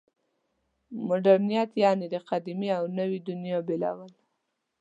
مډرنیت یعنې د قدیمې او نوې دنیا بېلول.